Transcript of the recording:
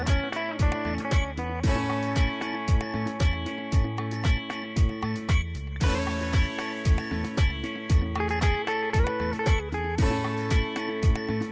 ส่งมันเกี่ยวกับชาวมุสสามารถปลอดภัย